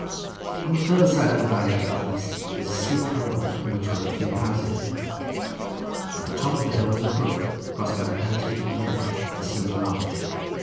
On the farther side of the valley to the east was a steep hill on which were a few houses—at the foot of the hill was a brook crossed by an antique bridge of a single arch.